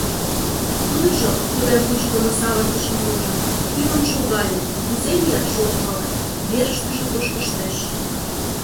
Тудыжо, тыгай вучыдымо савыртышым ужын, тӱҥын шогале, кузе лияш, ок пале, верыштыже тошкыштеш.